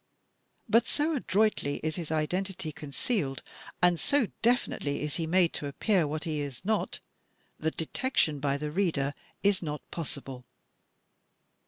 But so adroitly is his identity concealed and so definitely is he made to appear what he is not, that detection by the reader is not possible.